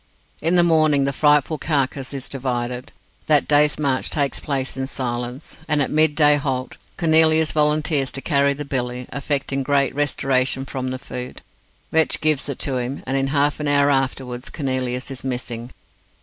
In the morning the frightful carcase is divided. That day's march takes place in silence, and at midday halt Cornelius volunteers to carry the billy, affecting great restoration from the food. Vetch gives it to him, and in half an hour afterwards Cornelius is missing.